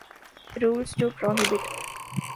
Rules To Prohibit.